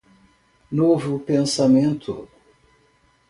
Novo pensamento